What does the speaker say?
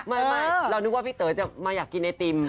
ไม่เรานึกว่าพี่เต๋อจะมาอยากกินไอติม